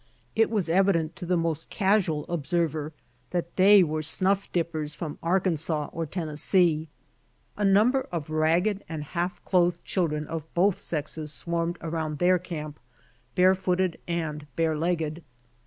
It was evident to the most casual observer that they were snuff dippers from Arkansas or Tennessee. A number of ragged and half clothed children of both sexes swarmed around their camp, bare footed and bare legged.